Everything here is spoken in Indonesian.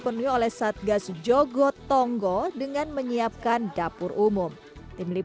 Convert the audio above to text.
penuhi oleh satgas jogotongo dengan menyiapkan bendera ini untuk memperbaiki penduduk yang berada di dalam pangsa ini